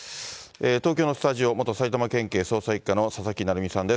東京のスタジオ、元埼玉県警捜査１課の佐々木成三さんです。